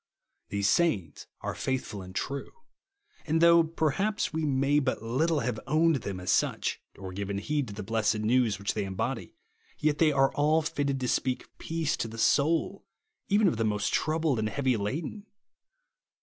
These sayings are faithful and true ; and though perhaps we may but httle have o^vned them as such, or given heed to the blessed news which they embody, yet they are all fitted to speak peace to the soul even of the most troubled and heavy laden.